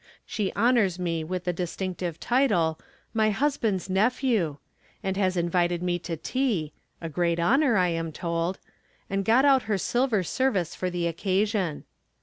' She honors me with the distinctive title, " My husband's nephew," and has invited me to tea — a great honor, I am told — and got out her silver service for the occasion.